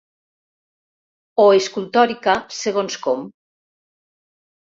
O escultòrica, segons com.